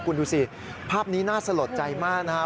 คุณดูสิภาพนี้น่าสะหรับใจมากนะฮะ